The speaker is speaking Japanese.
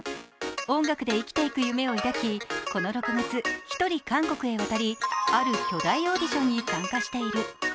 音楽で生きていく夢を抱きこの６月一人、韓国へ渡りある巨大オーディションに参加している。